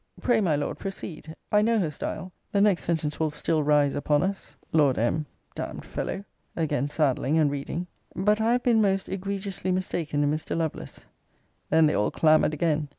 Pray, my Lord, proceed I know her style; the next sentence will still rise upon us. Lord M. D d fellow! [Again saddling, and reading.] 'But I have been most egregiously mistaken in Mr. Lovelace!' [Then they all clamoured again.